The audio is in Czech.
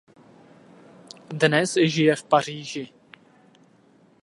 Dnes žije v Paříži.